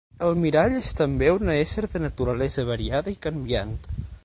El mirall és també un ésser de naturalesa variada i canviant.